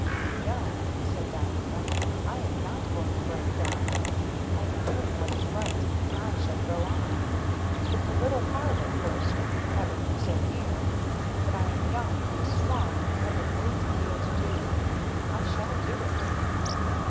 "No," said Diantha, "I am not going to break down. I am doing what is right, and I shall go on. It's a little hard at first having him so near. But I am young and strong and have a great deal to do I shall do it."